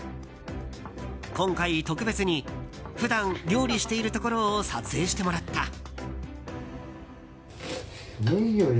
今回、特別に普段料理しているところを撮影してもらった。